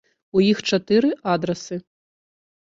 У іх чатыры адрасы.